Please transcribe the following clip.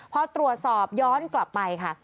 พอตรวจสอบย้อนกลับไปค่ะ